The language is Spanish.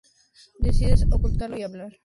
Decide ocultarlo y hablar directamente con ella.